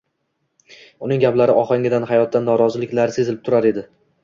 Uning gaplari ohangidan hayotdan noroziliklari sezilib turar edi.